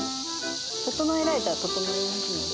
整えられたら整えますので。